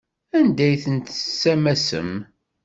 Anda ay ten-tessamsem?